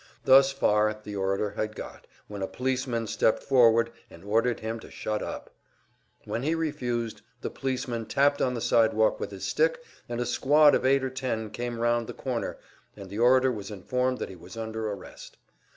Thus far the orator had got, when a policeman stepped forward and ordered him to shut up. When he refused, the policeman tapped on the sidewalk with his stick, and a squad of eight or ten came round the corner, and the orator was informed that he was under arrest.